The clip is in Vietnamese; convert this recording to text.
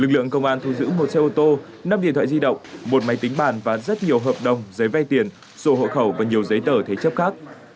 lực lượng công an thu giữ một xe ô tô năm điện thoại di động một máy tính bàn và rất nhiều hợp đồng giấy vay tiền sổ hộ khẩu và nhiều giấy tờ thế chấp khác